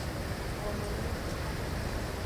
Xomonuvon.